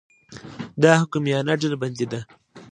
دا حکیمانه ډلبندي ده.